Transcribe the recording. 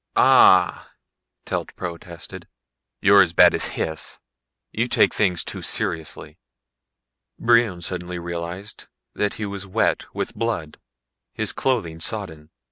"Ahhh," Telt protested, "you're as bad as Hys. You take things too seriously." Brion suddenly realized that he was wet with blood, his clothing sodden.